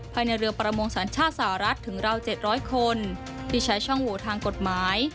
ภายในเรือประมงสัญชาติสหรัฐถึงราว๗๐๐คนที่ใช้ช่องโหวทางกฎหมาย